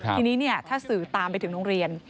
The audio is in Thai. ทีนี้ถ้าสื่อตามไปถึงโรงเรียน